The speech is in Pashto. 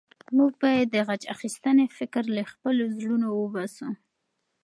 موږ باید د غچ اخیستنې فکر له خپلو زړونو وباسو.